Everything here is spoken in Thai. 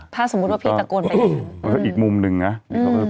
ถ้าสมมุติว่าพี่ตะโกนไปอีกมุมหนึ่งนะ